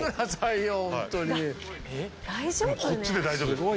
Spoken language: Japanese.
大丈夫？